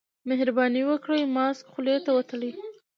مهرباني وکړئ، ماسک خولې ته وتړئ.